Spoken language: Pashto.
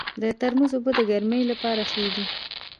د تربوز اوبه د ګرمۍ لپاره ښې دي.